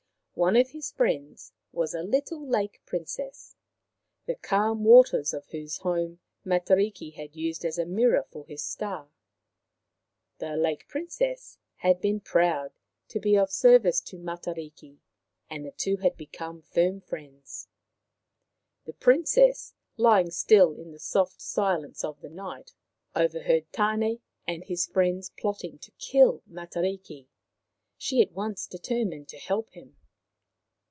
One of his friends was a little Lake Princess, the calm waters of whose home Matariki had used as a mirror for his star. The Lake Princess had been proud to be of ser vice to Matariki, and the two had become firm friends. The Princess, lying still in the soft silence of the night, overheard Tane and his friends plotting to kill Matariki. She at once determined to help him.